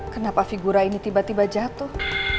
kenapa figura ini tiba tiba jatuh